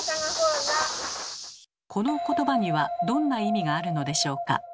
このことばにはどんな意味があるのでしょうか？